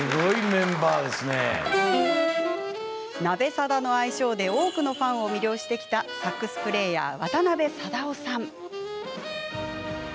ナベサダの愛称で多くのファンを魅了してきたサックスプレーヤー渡辺貞夫さん。